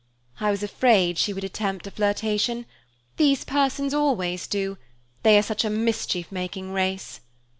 "I was afraid she would attempt a flirtation. These persons always do, they are such a mischief making race."